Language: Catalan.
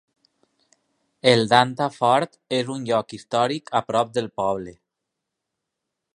El Danta Fort és un lloc històric a prop del poble.